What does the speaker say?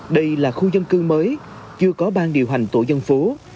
đây là khu dân cư mới chưa có ban điều hành tổ dân phố